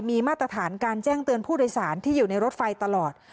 มีมาตรฐานการแจ้งเตือนผู้โดยสารที่อยู่ในรถไฟตลอด